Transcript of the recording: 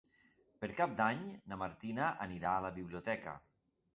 Per Cap d'Any na Martina anirà a la biblioteca.